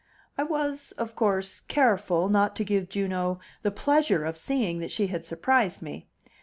I was, of course, careful not to give Juno the pleasure of seeing that she had surprised me.